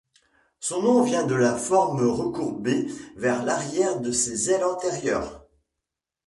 Son nom vient de la forme recourbée vers l'arrière de ses ailes antérieures.